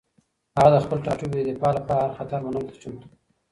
هغه د خپل ټاټوبي د دفاع لپاره هر خطر منلو ته چمتو و.